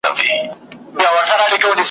یو ګیدړ د شپې په ښکار وو راوتلی ,